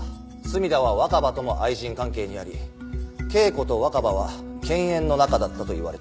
墨田は若葉とも愛人関係にあり桂子と若葉は犬猿の仲だったといわれています。